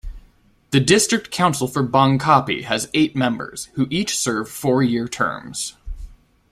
The District Council for Bang Kapi has eight members, who each serve four-year terms.